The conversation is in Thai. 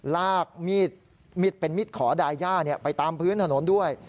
ลากมีดเป็นมีดขอดาย่าไปตามพื้นถนนด้วย